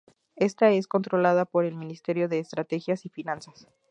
Esta es controlada por el Ministerio de Estrategias y Finanzas.